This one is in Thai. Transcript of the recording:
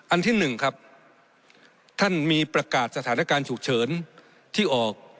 อันที่หนึ่งครับท่านมีประกาศสถานการณ์ฉุกเฉินที่ออก